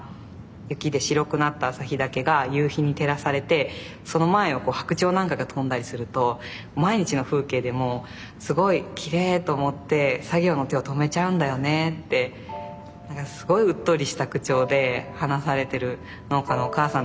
雪で白くなった旭岳が夕日に照らされてその前を白鳥なんかが飛んだりすると毎日の風景でもすごいきれいと思って作業の手を止めちゃうんだよねってすごいうっとりした口調で話されてる農家のおかあさんとかにも会って。